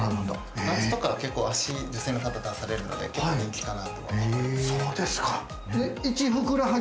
夏とかは結構脚女性の方出されるので結構人気かなとは。